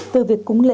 từ việc tự nhiên